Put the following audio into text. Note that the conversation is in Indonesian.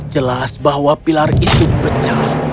jelas bahwa pilar itu pecah